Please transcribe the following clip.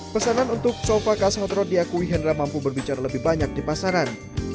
pesanan untuk sofa casa otro diakui hendra mampu berbicara lebih banyak di pasaran